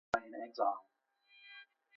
Ughelli believed that Peter died in exile.